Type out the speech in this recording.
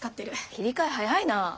切り替え早いな。